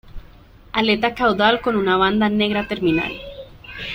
Aleta caudal con una banda negra terminal.